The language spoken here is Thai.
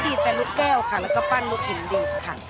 ก็ได้แต่ลุกแก้วค่ะแล้วก็ปั้นลูกหินดิค่ะ